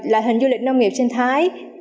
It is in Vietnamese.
lợi hình du lịch nông nghiệp sinh thái